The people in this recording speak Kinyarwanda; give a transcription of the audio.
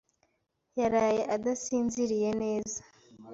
yaraye adasinziriye neza.